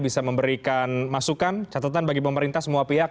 bisa memberikan masukan catatan bagi pemerintah semua pihak